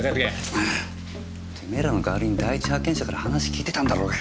あぁてめえらの代わりに第一発見者から話聞いてたんだろうがよ。